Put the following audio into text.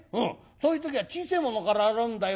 そういう時は小せえものから洗うんだよ。